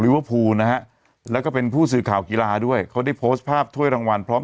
เวอร์พูลนะฮะแล้วก็เป็นผู้สื่อข่าวกีฬาด้วยเขาได้โพสต์ภาพถ้วยรางวัลพร้อม